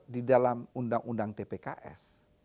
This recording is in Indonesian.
di dalam undang undang tpks